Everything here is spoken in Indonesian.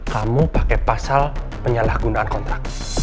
kamu pake pasal penyalahgunaan kontrak